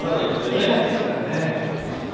見えないですからね。